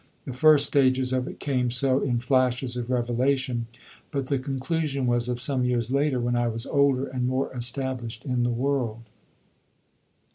The first stages of it came so, in flashes of revelation; but the conclusion was of some years later, when I was older and more established in the world.